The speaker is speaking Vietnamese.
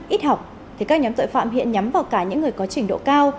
ít học thì các nhóm tội phạm hiện nhắm vào cả những người có trình độ cao